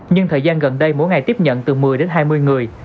nhưng thời gian gần đây mỗi ngày tiếp nhận từ một mươi đến hai mươi người